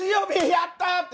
やった！」って